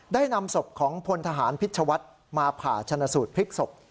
ได้นำศพของพลทหารพิชวัฒน์มาผ่าชนะสูตรพลิกศพ